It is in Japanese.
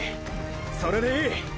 それでいい！！